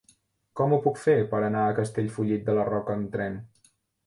Com ho puc fer per anar a Castellfollit de la Roca amb tren?